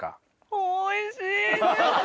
おいしいです！